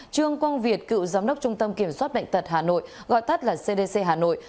trương quang việt cựu giám đốc trung tâm kiểm soát bệnh tật hà nội gọi tắt là cdc hà nội